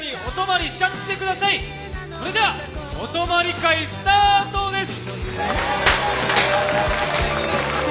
それではお泊まり会スタートです！